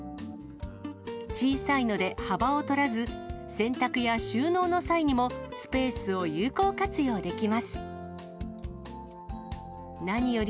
小さいので幅を取らず、洗濯や収納の際にもスペースを有効活用できます。